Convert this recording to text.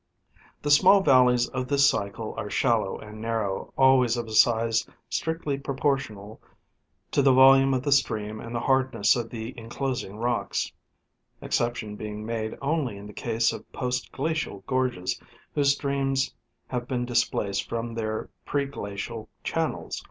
The small valleys of this cycle are shallow and narrow, always of a size strictly proportional to the volume of the stream and the hardness of the enclosing rocks, exception being made only in the case of post glacial gorges whose streams have been displaced from their pre glacial channels.